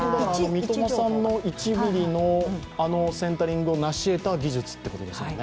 三笘さんの１ｍｍのあのセンタリングをなしえた技術ということですよね。